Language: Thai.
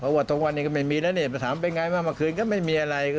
ว่าทุกวันนี้ก็ไม่มีแล้วเนี่ยไปถามเป็นไงว่าเมื่อคืนก็ไม่มีอะไร